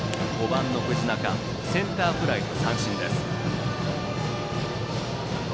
５番の藤中センターフライと三振です。